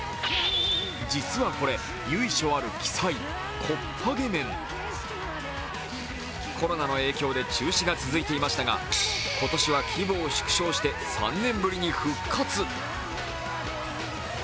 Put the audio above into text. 実はこれ由緒ある奇祭、こっぱげ面コロナの影響で中止が続いていましたが、今年は規模を縮小して３年ぶりに復活。